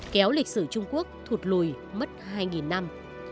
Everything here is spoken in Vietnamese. kéo lịch sử trung quốc thụt lùi mất hai năm